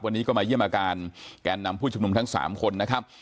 วันนี้ก็มาเยี่ยมอาการแกนนำผู้ชุมนุมทั้ง๓คนนะครับ